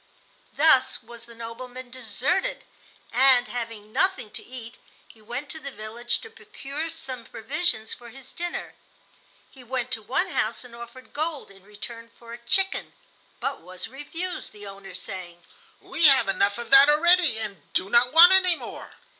Thus was the "nobleman" deserted, and, having nothing to eat, he went to the village to procure some provisions for his dinner. He went to one house and offered gold in return for a chicken, but was refused, the owner saying: "We have enough of that already and do not want any more."